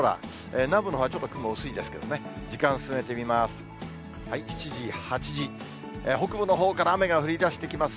南部のほうはちょっと雲薄いですけどね、時間進めてみます。